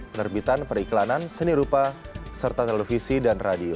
penerbitan periklanan seni rupa serta televisi dan radio